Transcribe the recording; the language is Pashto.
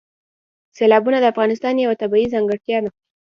سیلابونه د افغانستان یوه طبیعي ځانګړتیا ده.